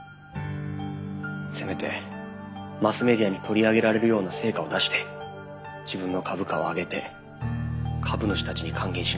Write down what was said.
せめてマスメディアに取り上げられるような成果を出して自分の株価を上げて株主たちに還元しなきゃって。